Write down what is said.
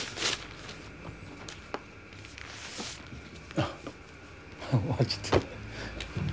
あっ終わっちゃった。